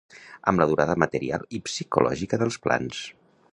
Amb la durada material i psicològica dels plans.